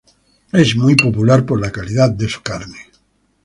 Es popular por la calidad de su carne.